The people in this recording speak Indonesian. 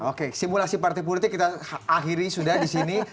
oke simulasi partai politik kita akhiri sudah di sini